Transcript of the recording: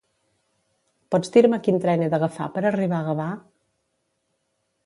Pots dir-me quin tren he d'agafar per arribar a Gavà?